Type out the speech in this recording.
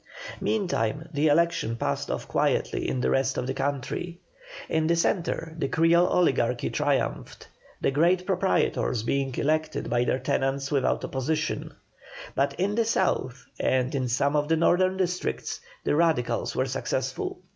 Meantime the elections passed off quietly in the rest of the country. In the Centre the Creole oligarchy triumphed, the great proprietors being elected by their tenants without opposition; but in the South and in some of the northern districts, the Radicals were successful.